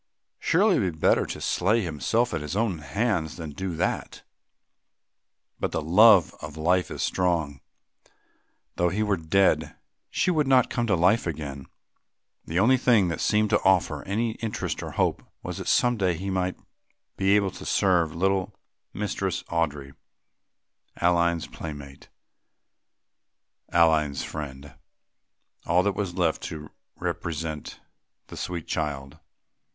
Surely it were better to slay himself with his own hands than do that! But the love of life is strong. Though he were dead, she would not come to life again; the only thing that seemed to offer any interest or hope was that some day he might be able to serve little Mistress Audry, Aline's playmate, Aline's friend, all that was left to represent the sweet child.